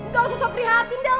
gak usah so prihatin dong